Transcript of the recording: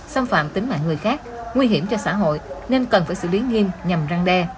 xâm phạm tính mạng người khác nguy hiểm cho xã hội nên cần phải xử lý nghiêm nhằm răng đe